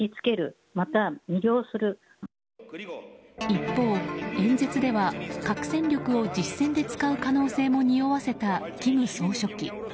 一方、演説では核戦力を実戦で使う可能性もにおわせた金総書記。